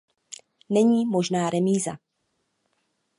Není možná remíza.